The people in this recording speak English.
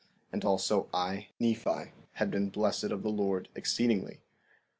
And also, I, Nephi, had been blessed of the Lord exceedingly.